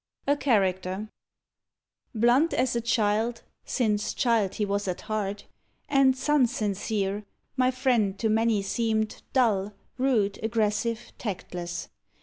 80 A CHARACTER Blunt as a child, since child he was at heart, And sun sincere, my friend to many seemed Dull, rude, aggressive, tactless.